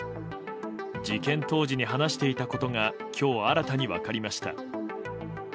事件当時に話していたことが今日新たに分かりました。